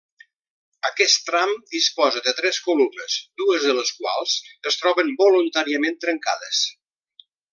Aquest tram disposa de tres columnes, dues de les quals es troben voluntàriament trencades.